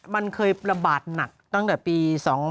มันเคยระบาดหนักตั้งแต่ปี๒๕๖